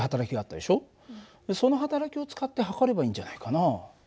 そのはたらきを使って測ればいいんじゃないかな。